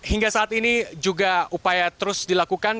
hingga saat ini juga upaya terus dilakukan